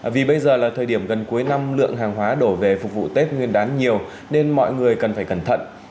vì bây giờ là thời điểm gần cuối năm lượng hàng hóa đổ về phục vụ tết nguyên đán nhiều nên mọi người cần phải cẩn thận